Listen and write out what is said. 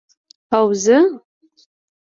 اوزه؟